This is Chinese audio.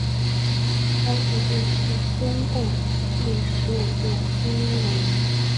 包叙定是中共第十五届中央委员。